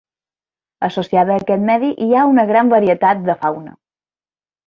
Associada a aquest medi hi ha una gran varietat de fauna.